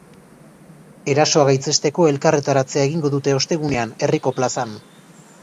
Erasoa gaitzesteko elkarretaratzea egingo dute ostegunean, herriko plazan.